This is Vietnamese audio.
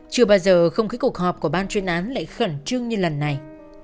chưa bao giờ không khí cuộc họp của ban chuyên án lại khẩn trương như lần này